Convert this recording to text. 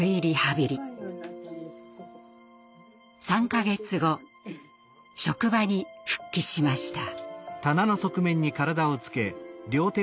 ３か月後職場に復帰しました。